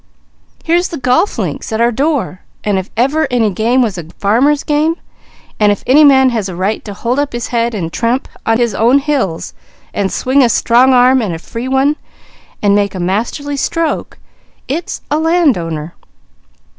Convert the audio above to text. Here's the golf links at our door, and if ever any game was a farmer's game, and if any man has a right to hold up his head, and tramp his own hills, and swing a strong arm and a free one, and make a masterly stroke, it's a land owner.